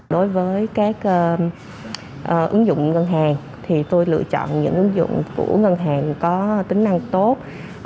đối với các ứng dụng ngân hàng thì tôi lựa chọn những ứng dụng của ngân hàng có tính năng tốt